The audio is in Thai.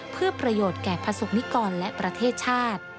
เพื่อประโยชน์แก่ประสบนิกรและประเทศชาติ